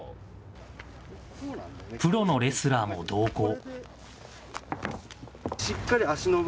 プロのレスラーも同行。